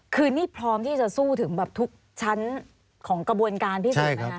คือนี่พร้อมที่จะสู้ถึงแบบทุกชั้นของกระบวนการที่สุดไหมคะ